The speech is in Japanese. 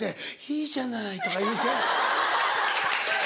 「いいじゃない」とか言うて。